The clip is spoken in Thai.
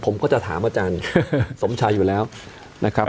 ผมก็จะถามอาจารย์สมชัยอยู่แล้วนะครับ